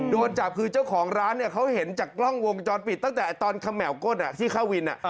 โดนจับคือเจ้าของร้านเนี่ยเขาเห็นจากกล้องวงจรปิดตั้งแต่ตอนเขม่าวก้นที่เข้าวิน